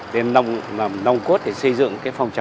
để nồng cốt để xây dựng phòng trạm